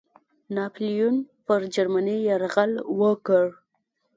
ناپلیون پر جرمني یرغل وکړ.